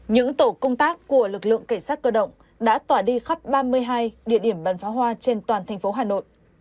những tổ công tác của lực lượng cảnh sát cơ động đã tỏa đi khắp ba mươi hai địa điểm bắn phá hoa trên toàn thành phố hà nội